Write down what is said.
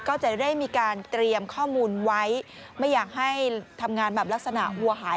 ก็จะได้มีการเตรียมข้อมูลไว้ไม่อยากให้ทำงานแบบลักษณะวัวหาย